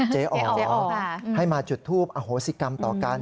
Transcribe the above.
อ๋อให้มาจุดทูปอโหสิกรรมต่อกัน